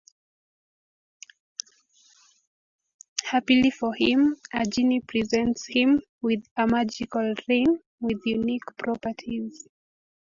Happily for him, a genie presents him with a magical ring with unique properties.